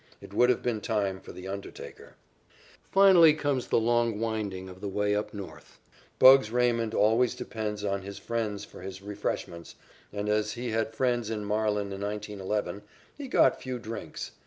It would have been time for the undertaker. Finally comes the long wending of the way up North. "Bugs" Raymond always depends on his friends for his refreshments, and as he had few friends in Marlin in 1911, he got few drinks.